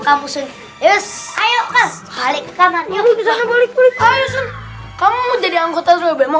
kamu mau jadi anggota